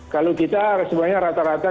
kalau kita semuanya rata rata